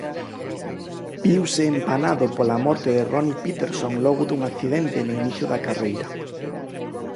Viuse empanado pola morte de Ronnie Peterson logo dun accidente no inicio da carreira.